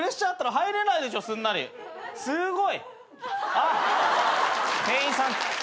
あっ店員さん。